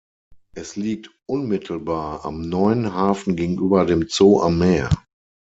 Es liegt unmittelbar am Neuen Hafen gegenüber dem Zoo am Meer.